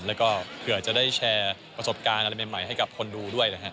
แล้วก็เผื่อจะได้แชร์ประสบการณ์อะไรใหม่ให้กับคนดูด้วยนะฮะ